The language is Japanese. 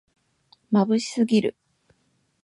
まぶしすぎる